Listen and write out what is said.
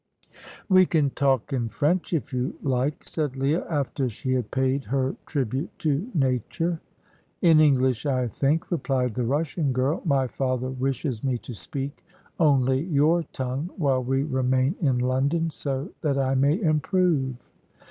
"We can talk in French, if you like," said Leah, after she had paid her tribute to nature. "In English, I think," replied the Russian girl; "my father wishes me to speak only your tongue, while we remain in London, so that I may improve."